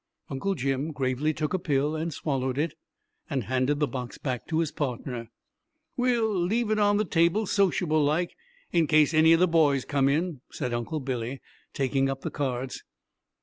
Uncle Jim gravely took a pill and swallowed it, and handed the box back to his partner. "We'll leave it on the table, sociable like, in case any of the boys come in," said Uncle Billy, taking up the cards.